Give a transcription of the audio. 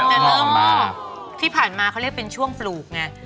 ที่ผ่านมาเขาเรียกเป็นช่วงปลูกไง